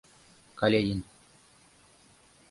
Каледин